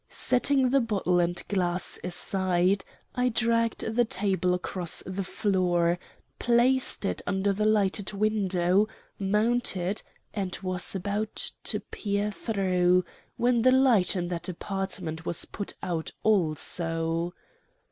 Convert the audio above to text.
Setting the bottle and glass aside, I dragged the table across the floor, placed it under the lighted window, mounted, and was about to peer through, when the light in that apartment was put out also.